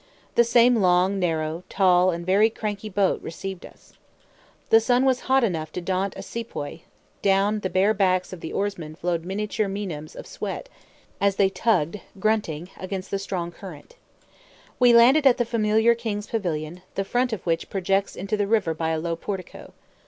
The same long, narrow, tall, and very crank boat received us. The sun was hot enough to daunt a sepoy; down the bare backs of the oarsmen flowed miniature Meinams of sweat, as they tugged, grunting, against the strong current. We landed at the familiar (king's) pavilion, the front of which projects into the river by a low portico.